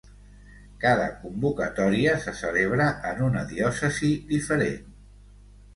Cada convocatòria se celebra en una diòcesi diferent.